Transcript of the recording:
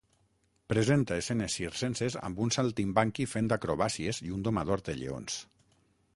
Presenta escenes circenses amb un saltimbanqui fent acrobàcies i un domador de lleons.